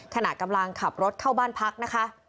ขณะกำลังขับรถเข้าบ้านพักนะคะ